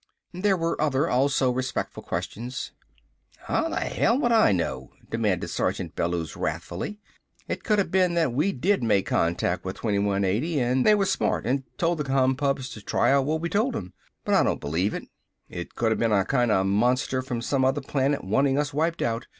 There were other, also respectful questions. "How the hell would I know?" demanded Sergeant Bellews wrathfully. "It coulda been that we did make contact with 2180, and they were smart an' told the Compubs to try out what we told 'em. But I don't believe it. It coulda been a kinda monster from some other planet wanting us wiped out.